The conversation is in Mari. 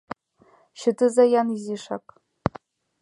Чытыза-ян изишак: